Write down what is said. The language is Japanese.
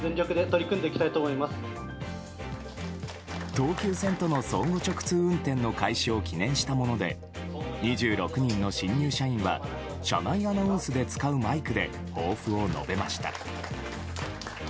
東急線との相互直通運転の開始を記念したもので２６人の新入社員は車内アナウンスで使うマイクで抱負を述べました。